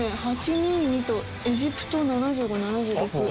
８２２とエジプト７５７６。